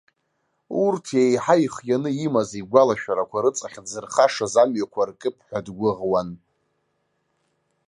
Урҭ еиҳа ихианы имаз игәалашәарақәа рыҵахь дзырхашаз амҩақәа ркып ҳәа дгәыӷуан.